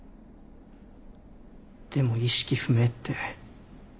でも意識不明って。